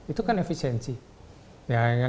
itu kan efisiensi yang